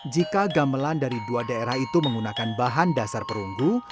jika gamelan dari dua daerah itu menggunakan bahan dasar perunggu